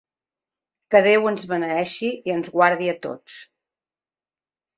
Que Déu ens beneeixi i ens guardi a tots!